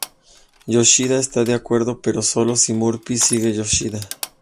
Yoshida está de acuerdo, pero sólo si Murphy sigue Yoshida.